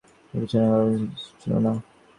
অর্থী প্রত্যর্থী চাপরাসী কনস্টেবলে চারি দিক লোকারণ্য।